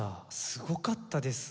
すごかったです。